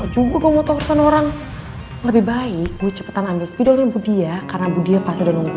juga mau tawur sana orang lebih baik gue cepetan ambil spidolnya budi ya karena budi pasal nungguin